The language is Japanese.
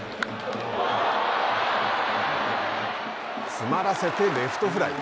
詰まらせてレフトフライ。